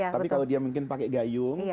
tapi kalau dia mungkin pakai gayung